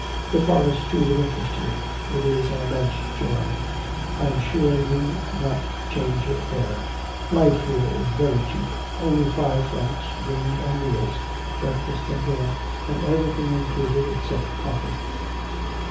The forest, too, would interest you. It is an immense joy. I'm sure you want change of air. Life here is very cheap, only five francs, room and meals breakfast and dinner, everything included except coffee.'